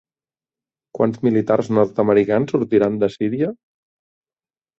Quants militars nord-americans sortiran de Síria?